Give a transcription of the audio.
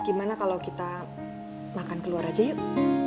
gimana kalau kita makan keluar aja yuk